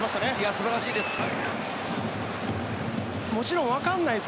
素晴らしいです。